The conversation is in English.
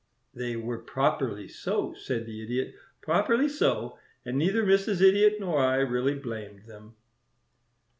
"They were properly so," said the Idiot, "properly so; and neither Mrs. Idiot nor I really blamed them."